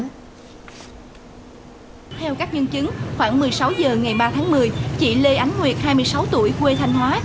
theo các nhân chứng khoảng một mươi sáu h ngày ba tháng một mươi chị lê ánh nguyệt hai mươi sáu tuổi quê thanh hóa